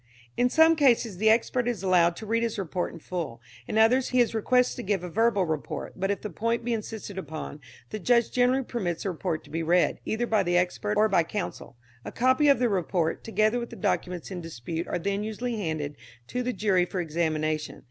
In some cases the expert is allowed to read his report in full. In others he is requested to give a verbal report, but if the point be insisted upon, the judge generally permits the report to be read, either by the expert or by counsel. A copy of the report, together with the documents in dispute are then usually handed to the jury for examination.